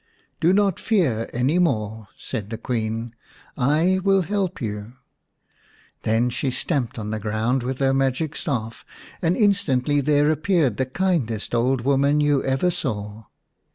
"Do not fear any more," said the Queen. "I will help you." Then she stamped on the ground with her magic staff, and instantly there appeared the kindest old woman you ever saw.